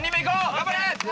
・・頑張れ！